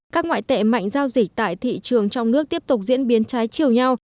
các ngoại tệ mạnh giao dịch tại thị trường trong nước tiếp tục diễn biến trái chiều nhau